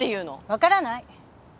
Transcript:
分からない！